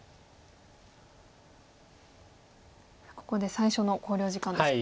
ここで最初の考慮時間です。